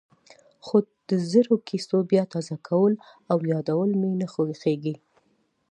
خو د زړو کېسو بیا تازه کول او یادول مې نه خوښېږي.